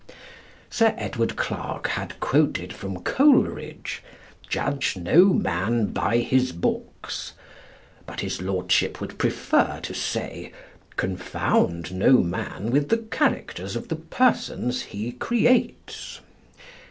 Sir Edward Clarke had quoted from Coleridge, "Judge no man by his books," but his lordship would prefer to say "Confound no man with the characters of the persons he creates."